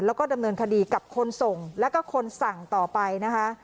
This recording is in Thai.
แล้วก็ดำเนินคดีกับคนส่งแล้วก็คนสั่งต่อไปนะคะ